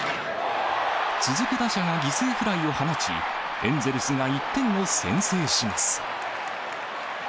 続く打者が犠牲フライを放ち、エンゼルスが１点を先制します。